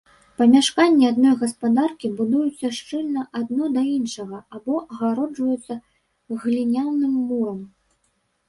Памяшканні адной гаспадаркі будуюцца шчыльна адно да іншага або агароджваюцца гліняным мурам.